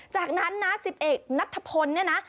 จากนั้นนะสิบเอกนัทธพลเนี่ยนะ